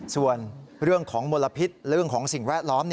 ส่วนเรื่องของมลพิษเรื่องของสิ่งแวดล้อม